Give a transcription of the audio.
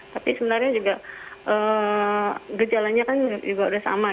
tapi sebenarnya juga gejalanya kan juga sudah sama